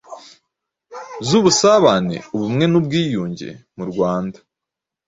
zubusabane, ubumwe n’ubwiyunge.murwanda